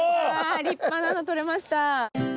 立派なのとれました。